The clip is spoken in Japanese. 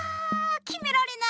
きめられない！